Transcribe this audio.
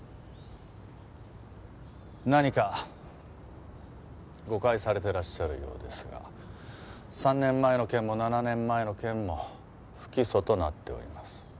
何か誤解されていらっしゃるようですが３年前の件も７年前の件も不起訴となっております。